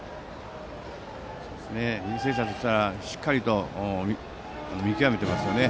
履正社としたらしっかりと見極めていますね。